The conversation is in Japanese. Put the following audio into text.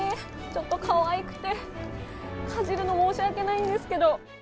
ちょっとかわいくて、かじるの申し訳ないんですけど。